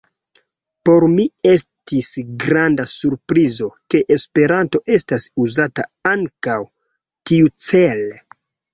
Por mi estis granda surprizo, ke Esperanto estas uzata ankaŭ tiucele.